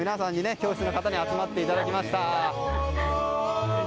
教室の方に集まっていただきました。